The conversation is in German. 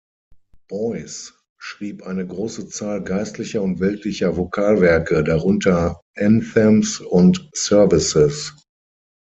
Boyce schrieb eine große Zahl geistlicher und weltlicher Vokalwerke, darunter Anthems und Services.